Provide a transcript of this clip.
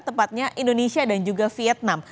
tepatnya indonesia dan juga vietnam